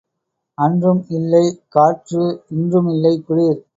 அன்றும் இல்லை காற்று இன்றும் இல்லை குளிர்.